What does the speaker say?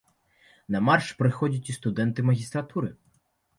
На марш прыходзяць і студэнты магістратуры.